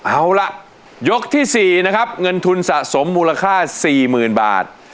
เอาล่ะยกที่๔นะครับเงินทุนสะสมมูลค่า๔๐๐๐บาท